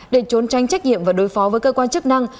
để trốn tranh trách nhiệm và đối phó với cơ quan chức năng